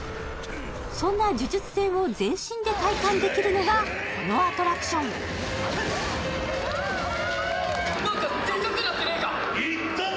そんな呪術戦を全身で体感できるのがこのアトラクション何かでかくなってねえか？